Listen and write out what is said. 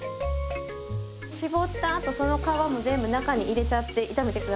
搾った後その皮も全部中に入れちゃって炒めて下さい。